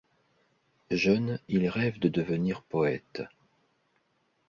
Jeune, il rêve de devenir poète.